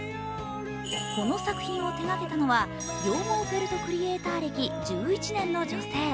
この作品を手がけたのは羊毛フェルトクリエーター歴１１年の女性。